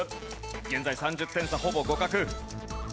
現在３０点差ほぼ互角。